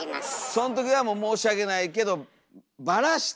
そん時はもう申し訳ないけどばらして！